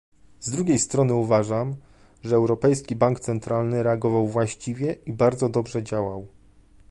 Z drugiej strony uważam, że Europejski Bank Centralny reagował właściwe i bardzo dobrze działał